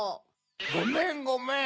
ごめんごめん。